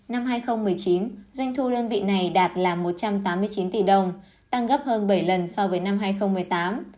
năm hai nghìn một mươi chín doanh thu đơn vị này đạt là một trăm tám mươi chín tỷ đồng tăng gấp hơn bảy lần so với năm hai nghìn một mươi tám